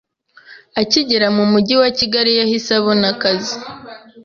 Akigera mu mujyi wa Kigali, yahise abona akazi